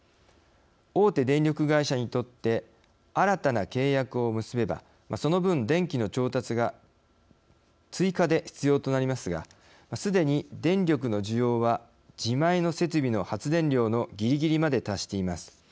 大手電力会社にとって新たな契約を結べばその分、電気の調達が追加で必要となりますがすでに電力の需要は自前の設備の発電量のぎりぎりまで達しています。